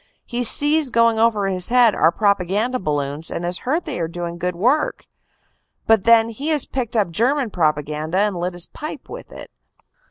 He sees going over his head our propaganda balloons and has heard they are doing good work; but then he has picked up German propaganda, and lit his pipe with it.